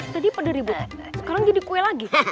tadi pederi buatan sekarang jadi kue lagi